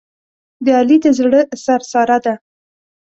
د علي د زړه سر ساره ده.